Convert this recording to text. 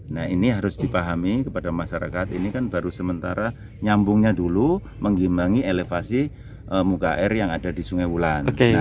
nah ini harus dipahami kepada masyarakat ini kan baru sementara nyambungnya dulu mengimbangi elevasi muka air yang ada di sungai wulan